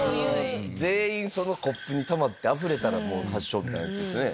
全員そのコップにたまってあふれたら発症みたいなやつですよね。